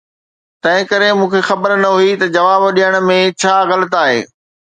تنهنڪري مون کي خبر نه هئي ته جواب ڏيڻ ۾ ڇا غلط آهي؟